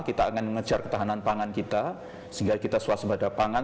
kita akan mengejar ketahanan pangan kita sehingga kita swasembada pangan